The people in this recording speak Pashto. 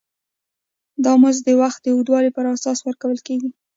دا مزد د وخت د اوږدوالي پر اساس ورکول کېږي